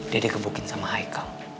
dia dikebukin sama haikam